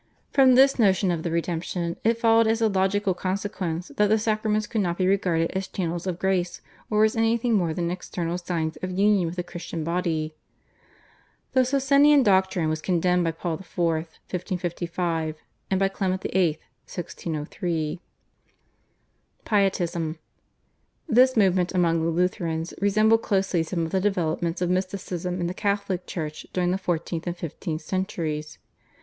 From this notion of the redemption it followed as a logical consequence that the sacraments could not be regarded as channels of grace or as anything more than external signs of union with the Christian body. The Socinian doctrine was condemned by Paul IV. (1555) and by Clement VIII. (1603). /Pietism/. This movement among the Lutherans resembled closely some of the developments of Mysticism in the Catholic Church during the fourteenth and fifteenth centuries.